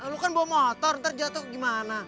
lu kan bawa motor ntar jatuh gimana